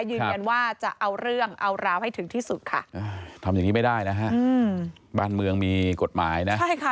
ยืนยันว่าจะเอาเรื่องเอาราวให้ถึงที่สุดค่ะทำอย่างนี้ไม่ได้นะฮะบ้านเมืองมีกฎหมายนะใช่ค่ะ